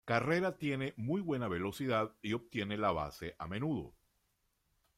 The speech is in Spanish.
Carrera tiene muy buena velocidad y obtiene la base a menudo.